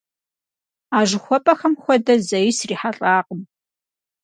А жыхуэпӀэхэм хуэдэ зэи срихьэлӀакъым.